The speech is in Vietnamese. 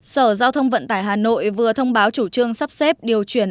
sở giao thông vận tải hà nội vừa thông báo chủ trương sắp xếp điều chuyển